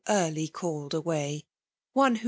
early called away ; one who.